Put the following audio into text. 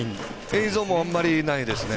映像もあんまりないですね。